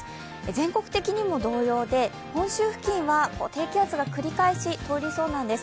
全国的にも同様で、本州付近は低気圧が繰り返し通りそうなんです。